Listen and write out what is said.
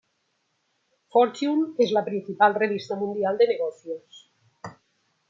Fortune es la principal revista mundial de negocios.